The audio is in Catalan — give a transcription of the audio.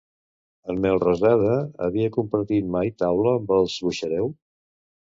En Melrosada havia compartit mai taula amb els Buxareu?